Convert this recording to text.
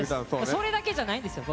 それだけじゃないんですよ